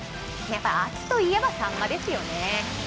秋といえば、さんまですよね。